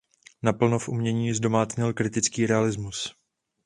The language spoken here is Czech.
Naplno v umění zdomácněl kritický realismus.